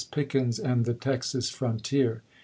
i. Pickens and the Texas frontier."